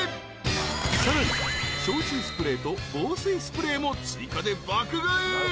［さらに消臭スプレーと防水スプレーも追加で爆買い］